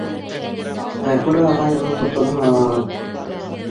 Ғәфүр ағайығыҙ тотонһа!